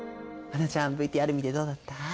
英ちゃんＶＴＲ見てどうだった？